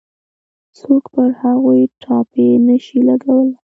څوک پر هغوی ټاپې نه شي لګولای.